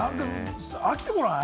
飽きてこない？